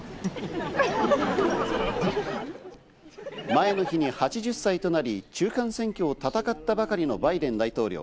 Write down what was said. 前の日に８０歳となり中間選挙を戦ったばかりのバイデン大統領。